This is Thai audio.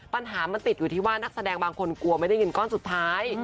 ปัญหามันติดอยู่ที่ว่านักแสดงบางคนกลัวไม่ได้เงินก้อนสุดท้าย